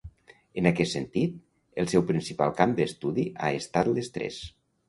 En aquest sentit, el seu principal camp d'estudi ha estat l'estrès.